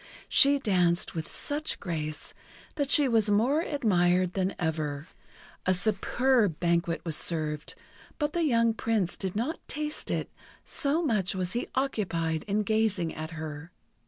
She danced with such grace that she was more admired than ever. A superb banquet was served, but the young Prince did not taste it, so much was he occupied in gazing at her.